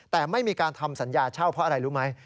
แต่ไม่มีการทำสัญญาเช่าเพราะอะไรรู้ไหม